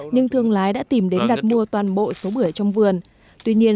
nhưng thương lái đã tìm đến đặt mua toàn bộ số bưởi trong vườn tuy nhiên